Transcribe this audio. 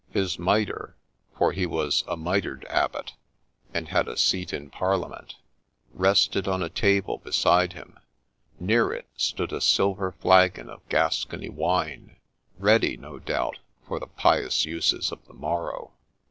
His mitre — for he was a Mitred Abbot, and had a seat in parliament — rested on a table beside him ; near it stood a silver flagon of Gascony wine, ready, no doubt, for the pious uses of the morrow.